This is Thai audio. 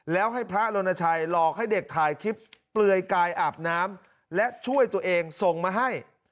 แล้วให้พระรณชัยหลอกให้เด็กถ่ายคลิปเปลือยกายอาบน้ำและช่วยตัวเองส่งมาให้